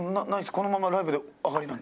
このままライブで上がりなんで。